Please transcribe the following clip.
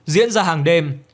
diễn ra hàng đêm